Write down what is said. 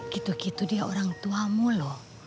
gitu gitu dia orang tuamu loh